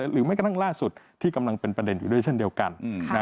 แม้กระทั่งล่าสุดที่กำลังเป็นประเด็นอยู่ด้วยเช่นเดียวกัน